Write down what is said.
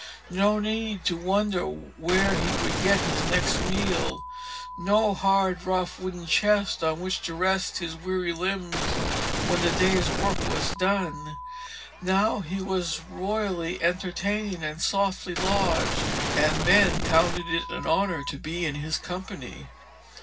No need to wonder where he would get his next meal, no hard rough wooden chest on which to rest his weary limbs when the day's work was done. Now he was royally entertained and softly lodged, and men counted it an honour to be in his company.